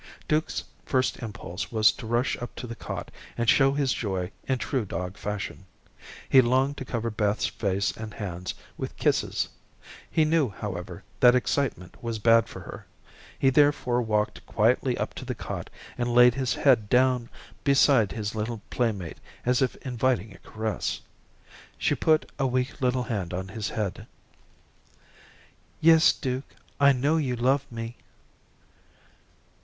Duke's first impulse was to rush up to the cot, and show his joy in true dog fashion. He longed to cover Beth's face and hands with kisses. He knew, however, that excitement was bad for her. He therefore walked quietly up to the cot and laid his head down beside his little playmate as if inviting a caress. She put a weak little hand on his head. "Yes, Dukie, I know you love me."